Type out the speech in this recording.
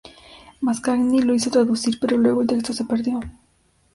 Mascagni lo hizo traducir, pero luego el texto se perdió.